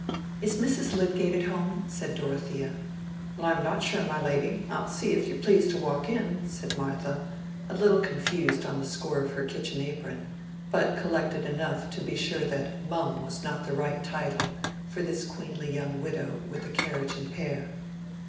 "Is Mrs. Lydgate at home?" said Dorothea. "I'm not sure, my lady; I'll see, if you'll please to walk in," said Martha, a little confused on the score of her kitchen apron, but collected enough to be sure that "mum" was not the right title for this queenly young widow with a carriage and pair.